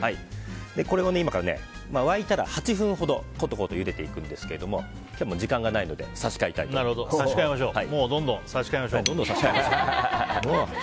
これを今から沸いたら８分ほどことことゆでていくんですが今日は時間がないので差し替えましょう。